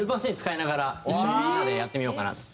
一緒にみんなでやってみようかなと。